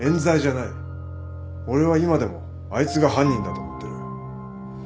俺は今でもあいつが犯人だと思ってる。